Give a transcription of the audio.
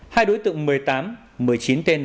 khi đã hoàn toàn bị cô lập trong chính bong ke của mình